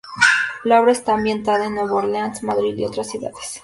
La obra está ambientada en Nueva Orleans, Madrid y otras ciudades.